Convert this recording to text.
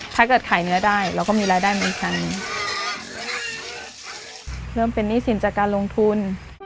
ถ้าเกิดขายเนื้อได้เราก็มีรายได้มาอีกพันหนึ่งเริ่มเป็นหนี้สินจากการลงทุน